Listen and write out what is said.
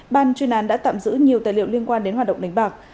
ban chuyên án đã tạm giữ nhiều tài liệu liên quan đến hoạt động đánh bạc